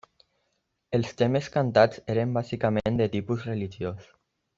Els temes cantats eren bàsicament de tipus religiós.